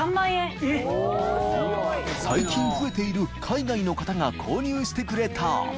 禳廼増えている海外の方が購入してくれた！